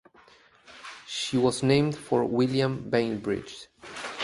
She was named for William Bainbridge.